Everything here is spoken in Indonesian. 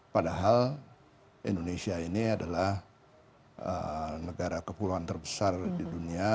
padahal indonesia ini adalah negara kepulauan terbesar di dunia